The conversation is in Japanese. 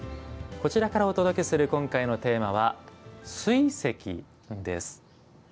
こちらからお届けする今回のテーマは「水石」です。